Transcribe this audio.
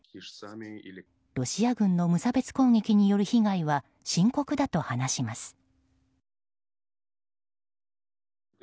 ロシア軍の無差別攻撃による被害は深刻だと話します。